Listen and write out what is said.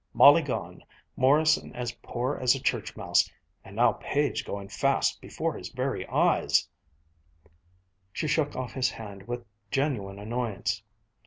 Molly gone Morrison as poor as a church mouse; and now Page going fast before his very eyes " She shook off his hand with genuine annoyance.